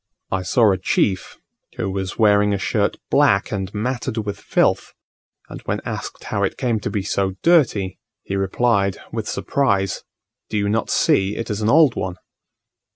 I saw a chief, who was wearing a shirt black and matted with filth, and when asked how it came to be so dirty, he replied, with surprise, "Do not you see it is an old one?"